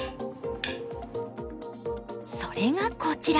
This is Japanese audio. それがこちら。